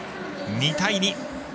２対２。